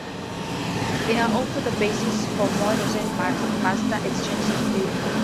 They are also the basis for more recent barter exchange systems.